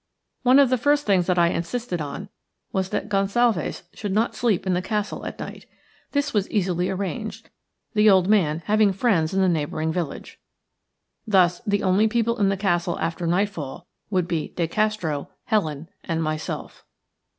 One of the first things that I insisted on was that Gonsalves should not sleep in the castle at night. This was easily arranged, the old man having friends in the neighbouring village. Thus the only people in the castle after nightfall would be De Castro, Helen, and myself.